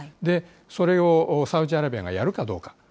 それをサウジアラビアがやるかどうか。